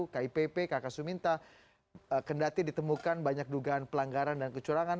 kipp kk suminta kendati ditemukan banyak dugaan pelanggaran dan kecurangan